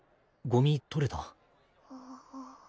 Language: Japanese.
ゴミ取れた？